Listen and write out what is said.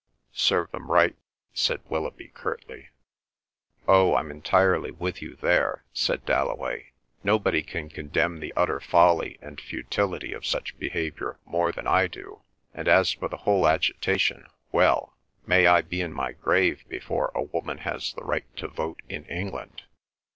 "Serve them right," said Willoughby curtly. "Oh, I'm entirely with you there," said Dalloway. "Nobody can condemn the utter folly and futility of such behaviour more than I do; and as for the whole agitation, well! may I be in my grave before a woman has the right to vote in England!